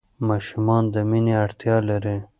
ماشومان د مینې اړتیا لري.